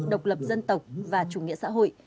độc lập dân tộc và chủ nghĩa xã hội